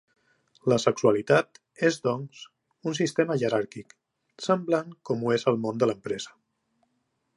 La sexualitat és, doncs, un sistema jeràrquic, semblant com ho és el món de l'empresa.